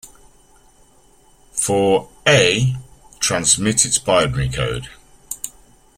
For "a" transmit its binary code.